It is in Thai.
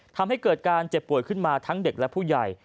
ทำให้เกิดการเจ็บป่วยขึ้นมาทั้งเด็กและผู้ใหญ่